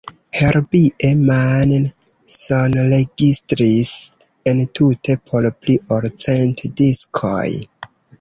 Herbie Mann sonregistris entute por pli ol cent diskoj.